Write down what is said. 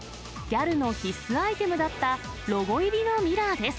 ギャルの必須アイテムだった、ロゴ入りのミラーです。